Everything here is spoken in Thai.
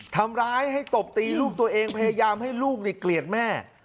ทำร้ายให้ตบตีลูกตัวเองพยายามให้ลูกเกลียดแม่